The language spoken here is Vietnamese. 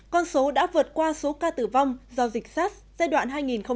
con số đã vượt qua số ca tử vong do dịch sars giai đoạn hai nghìn hai hai nghìn ba